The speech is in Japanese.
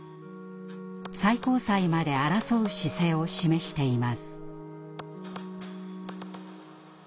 最高裁まで争う姿勢を示しています。